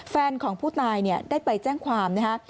แฟนของผู้ตายเนี่ยได้ไปแจ้งความนะฮะ